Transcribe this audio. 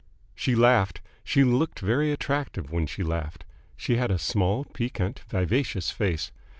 She laughed. She looked very attractive when she laughed. She had a small, piquant, vivacious face.